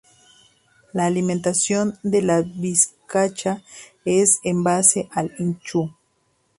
La alimentación de la vizcacha es en base al ichu.